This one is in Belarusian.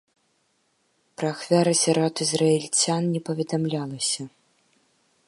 Пра ахвяры сярод ізраільцян не паведамлялася.